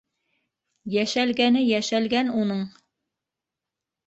Йәшәлгәне йәшәлгән уның.